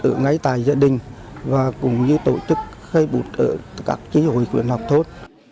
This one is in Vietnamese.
ở ngay tại gia đình và cũng như tổ chức khai bút ở các trí hội quyền học thốt